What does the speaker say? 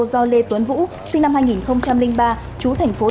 do lê tuấn vũ sinh năm hai nghìn ba chú thành phố